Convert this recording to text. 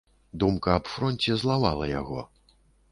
Думка аб фронце злавала яго.